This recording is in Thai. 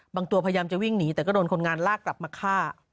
ตัวพยายามจะวิ่งหนีแต่ก็โดนคนงานลากกลับมาฆ่า